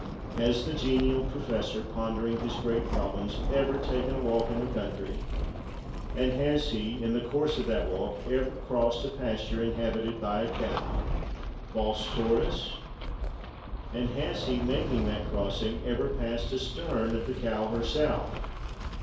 Has the genial professor, pondering his great problems, ever taken a walk in the country? And has he, in the course of that walk, ever crossed a pasture inhabited by a cow (Bos taurus)? And has he, making that crossing, ever passed astern of the cow herself?